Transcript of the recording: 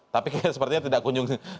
tapi kayaknya sepertinya tidak kunjung